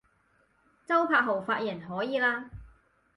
周柏豪髮型可以喇